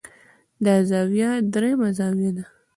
دا زاويه درېيمه زاويه ده